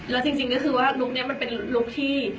แล้วจริงก็คือว่าลุคนี้มันเป็นลุคที่